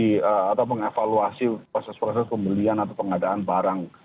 atau mengevaluasi proses proses pembelian atau pengadaan barang